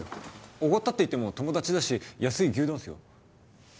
おごったっていっても友達だし安い牛丼っすよ。